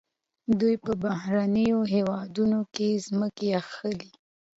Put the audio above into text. دوی په بهرنیو هیوادونو کې ځمکې اخلي.